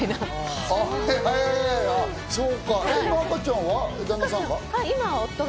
で、今赤ちゃんは旦那さんが？